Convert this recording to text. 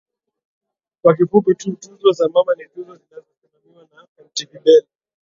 kwa kifupi tu tuzo za mama ni tuzo zinazo simamiwa na mtv bell